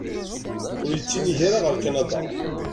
Ur yettinig ara ɣer Kanada.